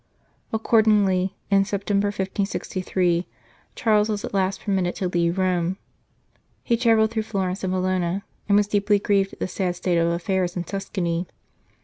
Accordingly, in September, 1563, Charles was at last permitted to leave Rome. He travelled through Florence and Bologna, and was deeply grieved at the sad state of affairs in Tuscany.